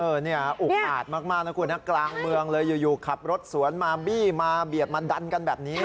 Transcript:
เนี่ยอุกอาจมากนะคุณนะกลางเมืองเลยอยู่ขับรถสวนมาบี้มาเบียดมาดันกันแบบนี้